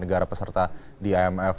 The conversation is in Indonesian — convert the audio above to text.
negara peserta di imf